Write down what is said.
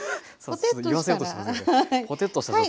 ポテッとした状態。